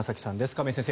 亀井先生